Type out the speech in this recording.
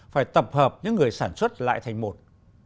phải tập hợp những người sản xuất lại thành một